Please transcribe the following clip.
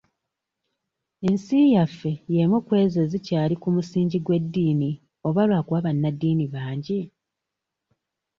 Ensi yaffe y'emu kw'ezo ezikyali ku musingi ogw'eddiini oba lwakuba bannaddiini bangi?